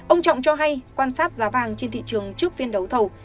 ông trọng cho hay quan sát giá vàng trên thị trường trước phiên đấu thầu